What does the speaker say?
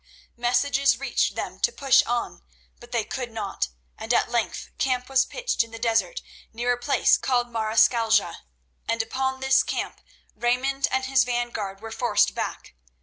Messages reached them to push on, but they could not, and at length camp was pitched in the desert near a place called Marescalcia, and upon this camp Raymond and his vanguard were forced back.